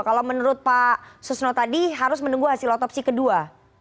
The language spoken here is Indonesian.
kalau menurut pak susno tadi harus menunggu hasil otopsi kedua